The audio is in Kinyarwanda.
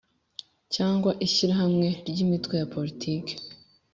cyangwa ishyirahamwe ry imitwe ya politiki